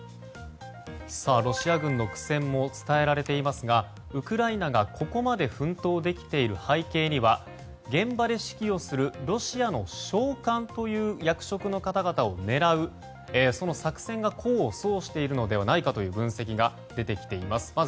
ロシア軍の苦戦も伝えられていますがウクライナがここまで奮闘できている背景には現場で指揮をするロシアの将官という役職の方々を狙う作戦が功を奏しているのではないかという分析が出てきています。